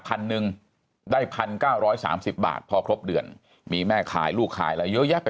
พันหนึ่งได้๑๙๓๐บาทพอครบเดือนมีแม่ขายลูกขายอะไรเยอะแยะไป